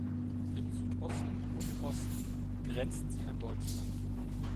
Im Südosten und Osten grenzt sie an Deutschland.